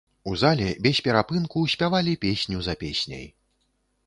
У зале без перапынку спявалі песню за песняй.